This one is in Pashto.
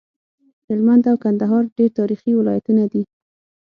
هلمند او کندهار ډير تاريخي ولايتونه دي